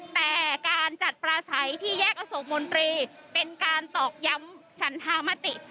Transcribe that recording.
แต่การจัดปลาใสที่แยกอโศกมนตรีเป็นการตอกย้ำฉันธามติ